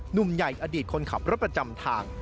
หนุ่มใหญ่อดีตคนขับรถประจำทาง